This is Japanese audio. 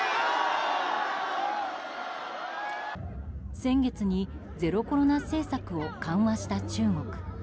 先月にゼロコロナ政策を緩和した中国。